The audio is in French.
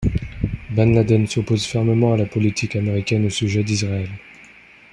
Ben Laden s'oppose fermement à la politique américaine au sujet d'Israël.